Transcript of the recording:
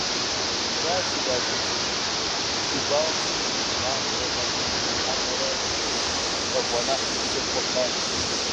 - Уа, си гуащэ цӀыкӀу, си гуауэм сыту уимыгъагърэ уэ, хьэмэрэ пфӀэгуэныхь сыхъуркъэ?